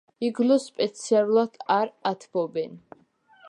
იგლუს სპეციალურად არ ათბობენ.